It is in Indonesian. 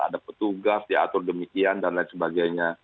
ada petugas diatur demikian dan lain sebagainya